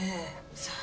さあ。